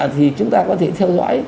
thì chúng ta có thể theo dõi